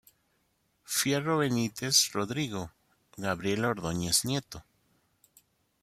Fierro Benítez, Rodrigo; Gabriel Ordóñez Nieto.